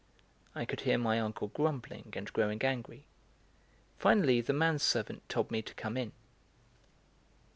I could hear my uncle grumbling and growing angry; finally the manservant told me to come in.